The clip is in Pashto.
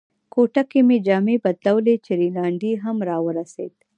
کوټه کې مې جامې بدلولې چې رینالډي هم را ورسېد.